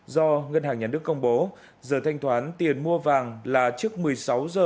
do ngân hàng nhà nước công bố giờ thanh toán tiền mua vàng là trước một mươi sáu h